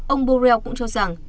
ông borrell cũng cho rằng